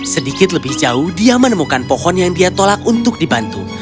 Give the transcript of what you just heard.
sedikit lebih jauh dia menemukan pohon yang dia tolak untuk dibantu